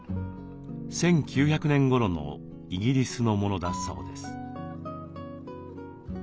１９００年ごろのイギリスのものだそうです。